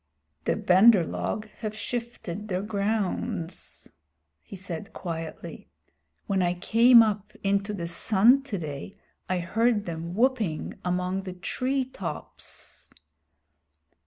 "The Bandar log have shifted their grounds," he said quietly. "When I came up into the sun today I heard them whooping among the tree tops."